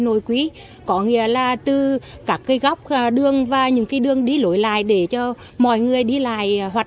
nội quý có nghĩa là từ các cái góc đường và những cái đường đi lối lại để cho mọi người đi lại hoạt